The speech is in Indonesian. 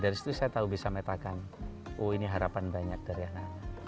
dari situ saya tahu bisa metakan oh ini harapan banyak dari anak anak